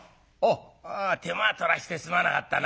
「お手間取らせてすまなかったな。